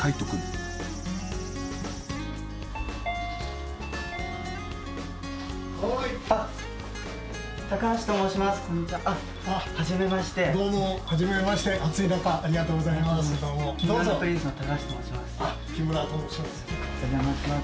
暑い中、ありがとうございます。